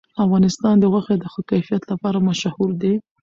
افغانستان د غوښې د ښه کیفیت لپاره مشهور دی.